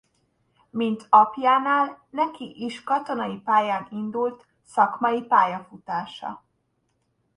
Mint apjánál neki is katonai pályán indult szakmai pályafutása.